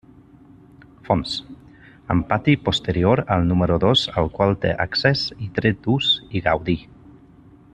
Fons: amb pati posterior al número dos al qual té accés i dret d'ús i gaudi.